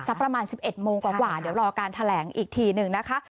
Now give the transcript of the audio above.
ประมาณ๑๑โมงกว่าเดี๋ยวรอการแถลงอีกทีหนึ่งนะคะ